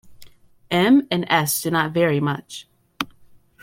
M and S do not vary much.